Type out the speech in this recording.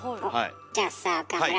じゃあさ岡村